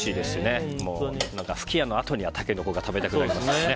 吹矢のあとにはタケノコが食べたくなりますよね。